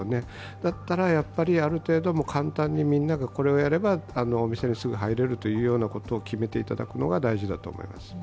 だったら、ある程度、簡単にみんながこれをやればお店に入ることができるということを決めていただくのが大事だと思います。